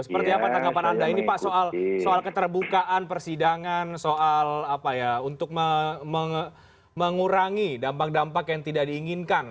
seperti apa tanggapan anda ini pak soal keterbukaan persidangan soal apa ya untuk mengurangi dampak dampak yang tidak diinginkan